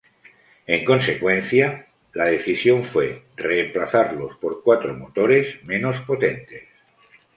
En consecuencia, la decisión fue reemplazarlos por cuatro motores menos potentes.